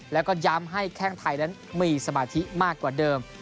แล้วก็ย้ำให้แข้งไทยนั้นมีสมาธิมากกว่าเดิม